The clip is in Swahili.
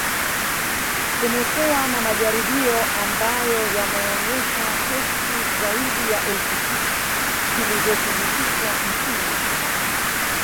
Kumekuwa na majaribio ambayo yameonyesha kesi zaidi ya elfu sita zilizothibitishwa nchini Uchina